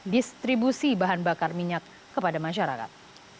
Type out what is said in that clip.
distribusi bahan bakar minyak kepada masyarakat